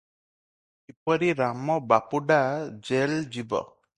କିପରି ରାମ ବାପୁଡା ଜେଲ ଯିବ